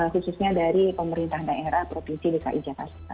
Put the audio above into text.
khususnya dari pemerintah daerah provinsi dki jakarta